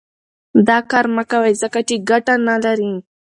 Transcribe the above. دا کار مه کوئ ځکه چې ګټه نه لري.